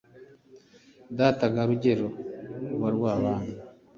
data ga rugero rw’arwabami